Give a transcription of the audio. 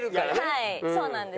はいそうなんです。